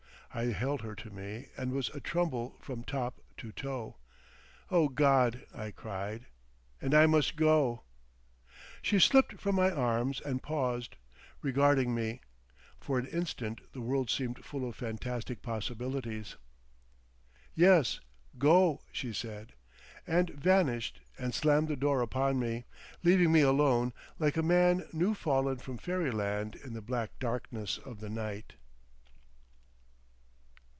I held her to me and was atremble from top to toe. "O God!" I cried. "And I must go!" She slipped from my arms and paused, regarding me. For an instant the world seemed full of fantastic possibilities. "Yes, Go!" she said, and vanished and slammed the door upon me, leaving me alone like a man new fallen from fairyland in the black darkness of the night.